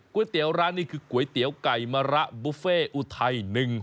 เตี๋ยวร้านนี้คือก๋วยเตี๋ยวไก่มะระบุฟเฟ่อุทัย๑๑